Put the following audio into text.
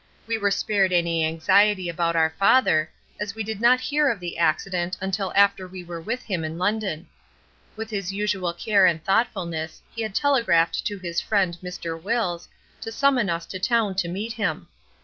We were spared any anxiety about our father, as we did not hear of the accident until after we were with him in London. With his usual care and thoughtfulness he had telegraphed to his friend Mr. Wills, to summon us to town to meet him.